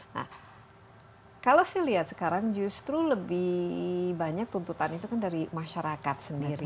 nah kalau saya lihat sekarang justru lebih banyak tuntutan itu kan dari masyarakat sendiri